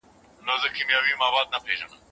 هر څوک کولی شي خوندي عادتونه زده کړي.